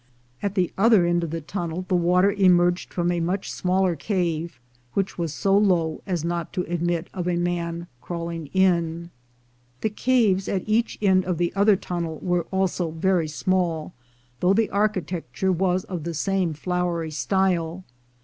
At the other end of the tunnel the water emerged from a much smaller cave, which was so low as not to admit of a man crawling in. The caves, at each end of the other tunnel, were also very small, though the architecture was of the same flowery style.